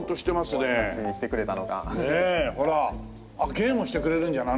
芸もしてくれるんじゃない？